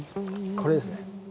これですね。